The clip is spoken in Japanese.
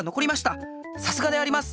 さすがであります！